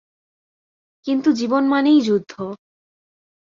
কিন্তু জীবন মানেই যুদ্ধ।